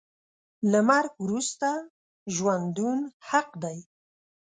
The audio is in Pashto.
له مرګ وروسته ژوندون حق دی .